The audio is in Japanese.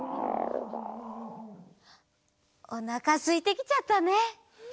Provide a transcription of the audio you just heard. おなかすいてきちゃったね。